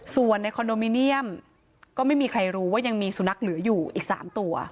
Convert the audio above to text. ส่วนในคอนโดมิเนียมก็ไม่มีใครรู้ว่ายังมีสุนัขเหลืออยู่อีก๓ตัว